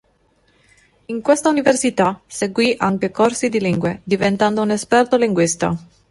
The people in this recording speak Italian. In questa università seguì anche corsi di lingue, diventando un esperto linguista.